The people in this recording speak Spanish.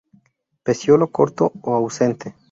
Pecíolo corto o ausente.